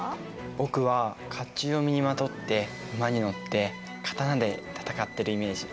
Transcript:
僕は甲冑を身にまとって馬に乗って刀で戦ってるイメージ。